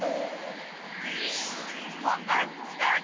ほんばんスタート！